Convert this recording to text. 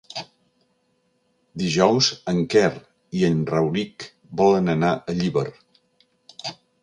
Dijous en Quer i en Rauric volen anar a Llíber.